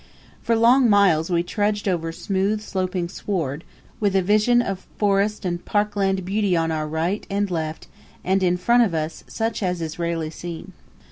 For long miles we trudged over smooth sloping sward, with a vision of forest and park land beauty on our right and left, and in front of us such as is rarely seen.